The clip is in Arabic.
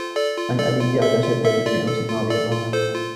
عن أبي يَعْلَى شَدَّادِ بنِ أَوْسٍ رَضِي اللهُ عَنْهُ